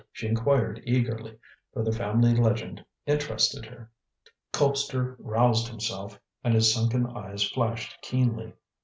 she inquired eagerly, for the family legend interested her. Colpster roused himself and his sunken eyes flashed keenly.